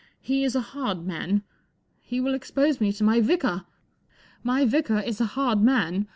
He is a hard man. He will expose me to my vic ah. My vic ah is a hard man.